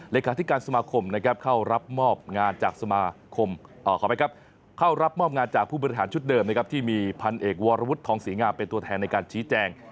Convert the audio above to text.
รายคาธิการสมาคมเข้ารับมอบงานจากผู้บริหารชุดเดิมที่มีพันธุ์เอกวารวุฒิทองศรีงาเป็นตัวแทนในการชี้แจง